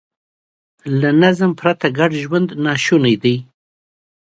له نظم پرته ګډ ژوند ناشونی دی.